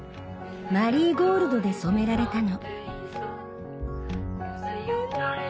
マリーゴールドで染められたの。